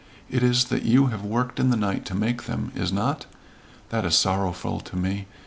It is that you have worked in the night to make them Is not? That is sorrowful to me.